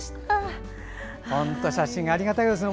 写真ありがたいですね。